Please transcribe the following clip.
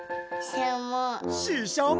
ししゃも。